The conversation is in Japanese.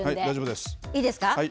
いいですか？